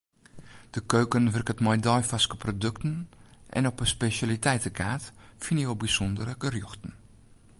De keuken wurket mei deifarske produkten en op 'e spesjaliteitekaart fine jo bysûndere gerjochten.